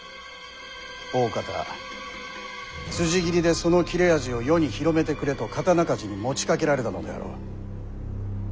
おおかたつじ斬りでその切れ味を世に広めてくれと刀鍛冶に持ちかけられたのであろう。